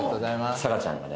サカちゃんがね。